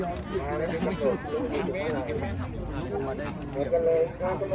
มีผู้ที่ได้รับบาดเจ็บและถูกนำตัวส่งโรงพยาบาลเป็นผู้หญิงวัยกลางคน